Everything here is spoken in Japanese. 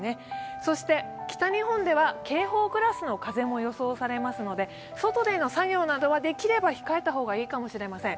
そして北日本では警報クラスの風も予想されますので外での作業などはできれば控えた方がいいかもしれません。